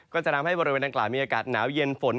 ก็จะทำให้บริเวณดังกล่าวมีอากาศหนาวเย็นฝน